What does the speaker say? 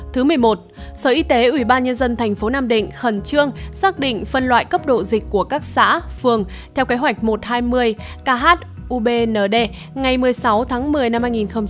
thứ một mươi một sở y tế ubnd tp nam định khẩn trương xác định phân loại cấp độ dịch của các xã phường theo kế hoạch một trăm hai mươi kh ubnd ngày một mươi sáu tháng một mươi năm hai nghìn hai mươi một